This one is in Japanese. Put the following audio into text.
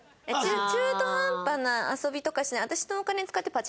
中途半端な遊びとかしない。